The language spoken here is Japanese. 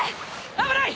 危ない！